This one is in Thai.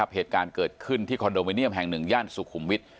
เหตุการณ์เกิดขึ้นที่คอนโดมิเนียมแห่งหนึ่งย่านสุขุมวิทย์